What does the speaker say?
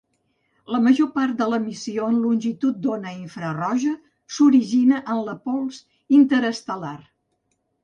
La major part de l'emissió en longitud d'ona infraroja s'origina en la pols interestel·lar.